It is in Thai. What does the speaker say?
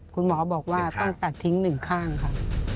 คุณหมอบอกว่าต้องตัดทิ้งหนึ่งข้างค่ะ